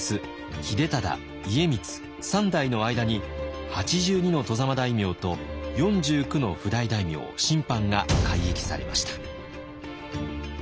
秀忠家光三代の間に８２の外様大名と４９の譜代大名・親藩が改易されました。